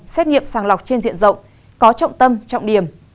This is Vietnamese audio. xét nghiệm sàng lọc trên diện rộng có trọng tâm trọng điểm